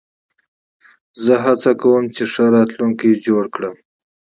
زه هڅه کوم، چي ښه راتلونکی جوړ کړم.